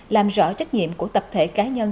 làm rõ trách nhiệm của tập thể cá nhân